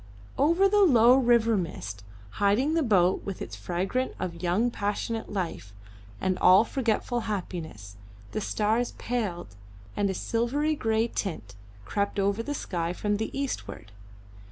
Over the low river mist hiding the boat with its freight of young passionate life and all forgetful happiness, the stars paled, and a silvery grey tint crept over the sky from the eastward.